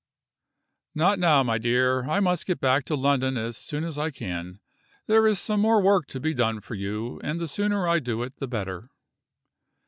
"Not now, my dear. I must get back to London as soon as I can. There is some more work to be done for you, and the sooner I do it the better."